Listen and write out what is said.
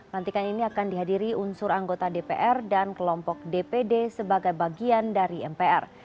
lantikan ini akan dihadiri unsur anggota dpr dan kelompok dpd sebagai bagian dari mpr